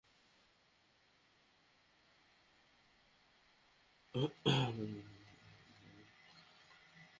জ্যামিতি অংশে যেমন—সরলরেখা, অধিবৃত্তের অঙ্কের সমাধানের ক্ষেত্রে অবশ্যই চিত্র দিতে হবে।